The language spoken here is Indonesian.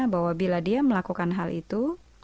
bahwa bila dia melakukan hal itu